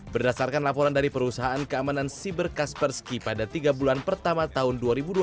berdasarkan laporan dari perusahaan keamanan siber kaspersky pada tiga bulan pertama tahun dua ribu dua puluh